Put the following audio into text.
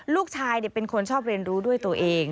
ลูกชายเป็นคนชอบเรียนรู้ด้วยตัวเอง